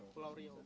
ke pulau rio